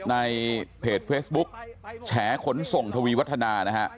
ในเพจเฟซบุ๊คแช่ขนส่งทวีวัฒนา